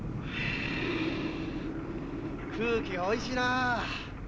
あ空気がおいしいなあ。